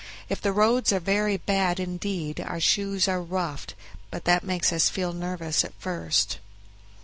If the roads are very bad indeed our shoes are roughed, but that makes us feel nervous at first.